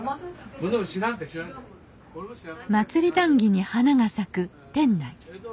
祭り談議に花が咲く店内。